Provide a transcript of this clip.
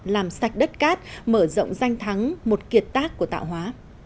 làm sạch đất cát mở rộng danh thắng một kiệt tác của tạo hóa